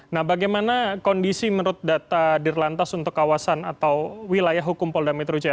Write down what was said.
nah bagaimana kondisi menurut data dirlantas untuk kawasan atau wilayah hukum polda metro jaya